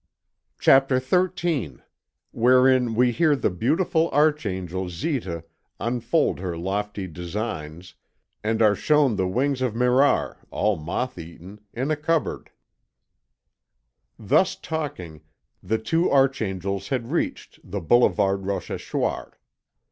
CHAPTER XIII WHEREIN WE HEAR THE BEAUTIFUL ARCHANGEL ZITA UNFOLD HER LOFTY DESIGNS AND ARE SHOWN THE WINGS OF MIRAR, ALL MOTH EATEN, IN A CUPBOARD Thus talking, the two archangels had reached the Boulevard Rochechouart.